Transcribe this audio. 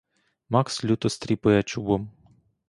Макс люто стріпує чубом.